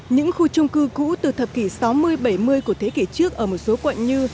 những khu trung cư cũ từ thập kỷ sáu mươi bảy mươi của thế kỷ trước ở một số quận như